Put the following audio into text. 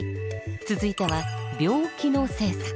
続いては病気の性差。